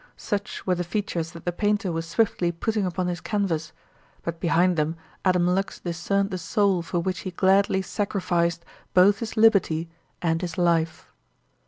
Such were the features that the painter was swiftly putting upon his canvas; but behind them Adam Lux discerned the soul for which he gladly sacrificed both his liberty and his life.